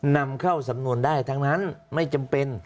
นำเข้าสำนวนได้ทั้งนั้นไม่จำเป็น